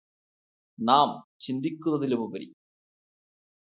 നാം ചിന്തിക്കുന്നതിലും ഉപരി